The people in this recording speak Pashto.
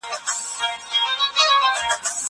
زه به سبا لوبه کوم!